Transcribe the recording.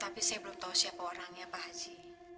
tapi saya belum tahu siapa orangnya pak haji